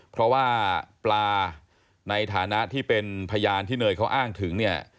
เพราะว่าปลาในฐานะที่เป็นพยานที่เนยเขาอ้างถึงเนี่ย